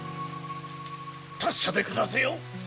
達者で暮らせよ。